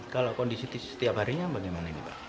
kalau kondisi setiap harinya bagaimana ini pak